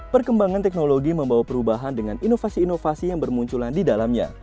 perkembangan teknologi membawa perubahan dengan inovasi inovasi yang bermunculan di dalamnya